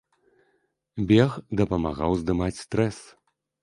Бег дапамагаў здымаць стрэс.